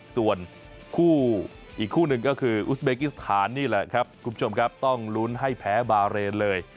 ส่วนคู่อีกคู่หนึ่งก็คืออุสเบกิสถานนี่แหละครับคุณผู้ชมครับต้องลุ้นให้แพ้บาเรนเลย